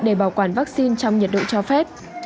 để bảo quản vaccine trong nhiệt độ cho phép